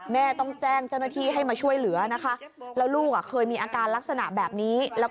แม่งงจอละเคไหนน่ะ